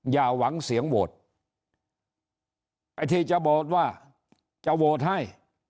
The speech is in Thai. อย่าหวังเสียงโหวตไอ้ที่จะโหวตว่าจะโหวตให้